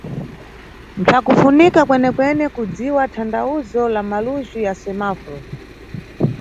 Mpsakufunika kwenekwene kudziwa thandawuzo la malujhu ya semaforo.